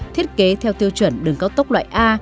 thiết kế theo tiêu chuẩn đường cao tốc loại a